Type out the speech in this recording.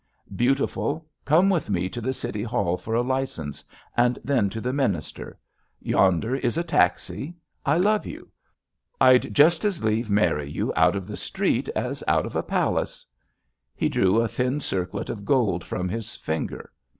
Beautiful, come with me to the City Hall for a license, and then to the minister. Yonder is a taxi. I love you — I'd just as lieve marry you out of the street as out of a palace I" He drew a thin circlet of ;old from his finger.